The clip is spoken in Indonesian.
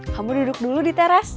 kamu duduk dulu di teras